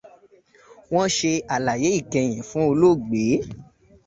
Wọ́n ṣe àlàyé ìkẹyìn fún olóògbé.